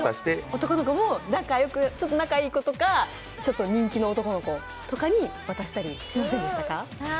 男の子も、ちょっと仲いい子とか人気の男の子に渡したりしませんでしたか？